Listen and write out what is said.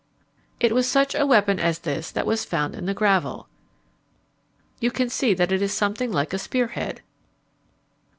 It was such a weapon as this that was found in the gravel. You can see that it is something like a spear head.